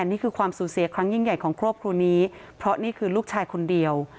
นี่คือความสูญเสียครั้งยิ่งใหญ่ของครอบครัวนี้เพราะนี่คือลูกชายคนเดียว